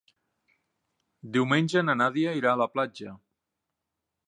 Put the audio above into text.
Diumenge na Nàdia irà a la platja.